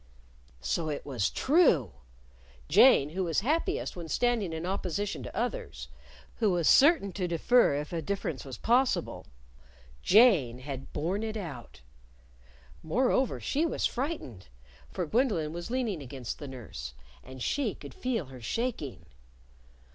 So it was true! Jane who was happiest when standing in opposition to others; who was certain to differ if a difference was possible Jane had borne it out! Moreover, she was frightened! For Gwendolyn was leaning against the nurse. And she could feel her shaking!